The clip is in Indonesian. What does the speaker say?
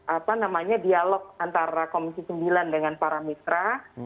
apa namanya dialog antara komisi sembilan dengan para mitra